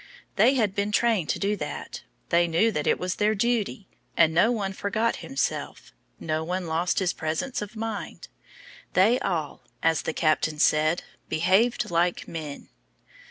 They had been trained to do that they knew that it was their duty; and no one forgot himself; no one lost his presence of mind. They all, as the captain said: "behaved like men."